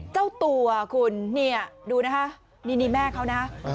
เจ้าตัวคุณนี่ดูนะคะนี่แม่เขานะ